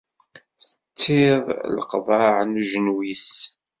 Tettiḍ leqḍeɛ n ujenwi-s.